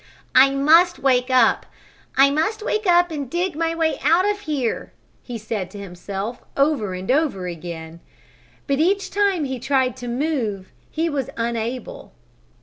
"I must wake up! I must wake up and dig my way out of here!" he said to himself over and over again. But each time he tried to move he was unable.